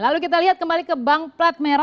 lalu kita lihat kembali ke bank plat merah